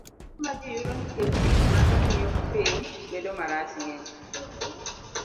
Lit ma ji yudo nikech gik ma gimiyo piny bedo marach ng'eny.